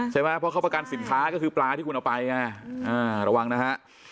ใช่ไหมเพราะเขาประกันสินค้าก็คือปลาที่คุณเอาไปไงระวังนะฮะ